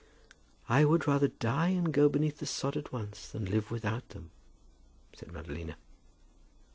"I would rather die and go beneath the sod at once, than live without them," said Madalina.